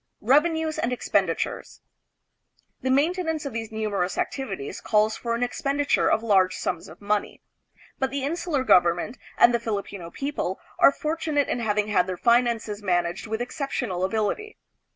Revenues and Expenditures. The maintenance of these numerous activities calls for an expenditure of large sums of money, but the insular government and the Filipino people are fortunate in having had their finances man aged with exceptional ability.